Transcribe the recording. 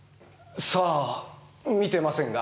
さあ見てませんが。